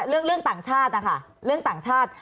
เรื่องต่างชาตินะคะเรื่องต่างชาติ